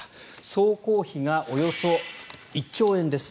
総工費がおよそ１兆円です。